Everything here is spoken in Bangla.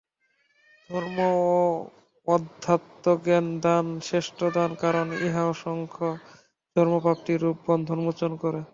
ধর্ম ও অধ্যাত্মজ্ঞান-দান শ্রেষ্ঠ দান, কারণ ইহা অসংখ্য জন্মপ্রাপ্তি-রূপ বন্ধন মোচন করে।